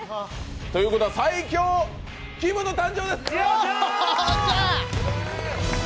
ということは最強・きむの誕生です。